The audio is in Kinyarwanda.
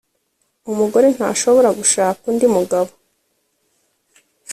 umugore ntashobora gushaka undi mugabo